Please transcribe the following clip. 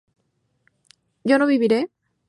¿yo no viviré?